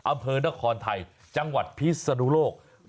อำเภอนครไทยจังหวัดพิศนุโลก